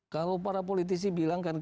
kalau para politisi bilang